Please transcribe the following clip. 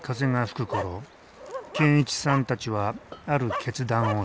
健一さんたちはある決断をした。